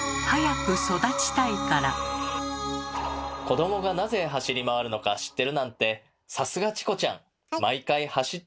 子どもがなぜ走り回るのか知ってるなんてさすがチコちゃん。